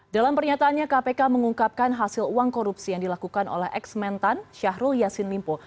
dalam pernyataannya kpk mengungkapkan hasil uang korupsi yang dilakukan oleh ex mentan syahrul yassin limpo